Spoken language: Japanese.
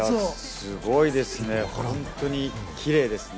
すごいですね、本当にすごいですね。